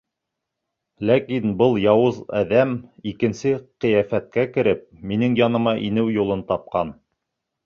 Ләкин был яуыз әҙәм, икенсе ҡиәфәткә кереп, минең яныма инеү юлын тапҡан.